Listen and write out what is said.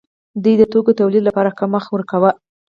دوی د توکو تولید لپاره کم وخت ورکاوه.